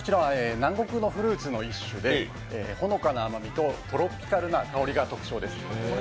南国のフルーツの一種で、ほのかな甘みとトロピカルな香りが特徴です。